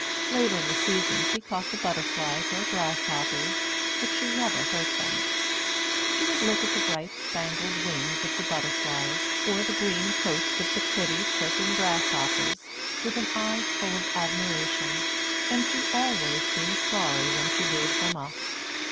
Later in the season she caught the butterflies or grasshoppers, but she never hurt them. She would look at the bright spangled wings of the butterflies, or the green coats of the pretty, chirping grasshoppers, with an eye full of admiration; and she always seemed sorry when she gave them up.